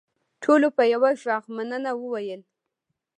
ټولو په یوه غږ مننه وویل.